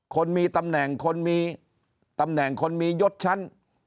คนมีตำแหน่งคนมียดชั้น